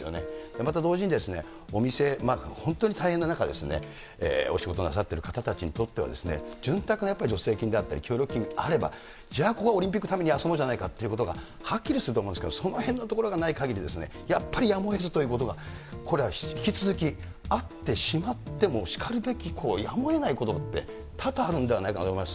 また同時にお店、本当に大変な中ですね、お仕事なさってる方たちにとっては、潤沢な助成金であったり、協力金があれば、じゃあ、ここはここはオリンピックのために休もうじゃないかということがはっきりすると思うんですが、そのへんのところがないかぎり、やっぱりやむをえずということが、これは引き続きあってしまってもしかるべき、やむをえないことって、多々あるんではないかと思います。